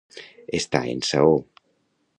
Estar en saó.